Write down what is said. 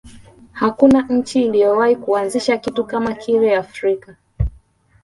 hakuna nchi iliyowahi kuanzisha kitu kama kile afrika